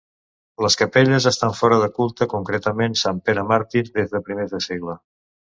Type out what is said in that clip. Les capelles estan fora de culte, concretament Sant Pere Màrtir des de primers de segle.